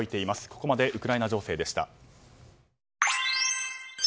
ここまでウクライナ情勢でした。